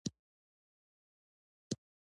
یو سړی او څو سړي